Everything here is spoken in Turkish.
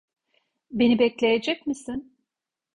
Beni bekleyecek misin?